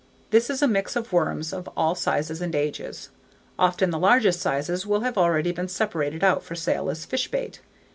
This is a mix of worms of all sizes and ages. Often the largest sizes will have already been separated out for sale as fish bait.